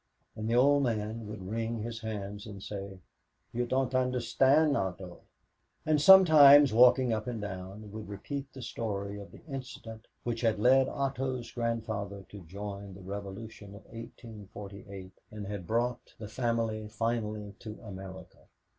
And the old man would wring his hands and say, "You don't understand, Otto." And sometimes, walking up and down, would repeat the story of the incident which had led Otto's grandfather to join the Revolution of 1848 and had brought the family finally to America.